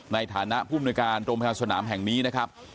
ในฐานะผู้มนุยการโรงพยาบาลสนามแห่งนี้นะครับ